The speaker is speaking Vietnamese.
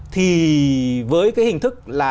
thì với cái hình thức là